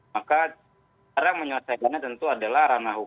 maka cara menyelesaikannya tentu adalah ranah hukum